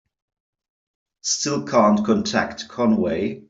Still can't contact Conway.